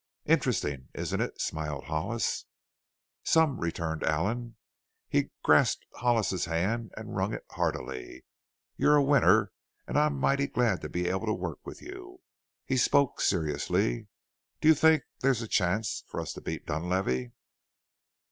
"Interesting, isn't it?" smiled Hollis. "Some," returned Allen. He grasped Hollis's hand and wrung it heartily. "You're a winner and I'm mighty glad to be able to work with you." He spoke seriously. "Do you think there's a chance for us to beat Dunlavey?"